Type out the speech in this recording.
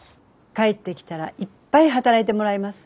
帰ってきたらいっぱい働いてもらいます。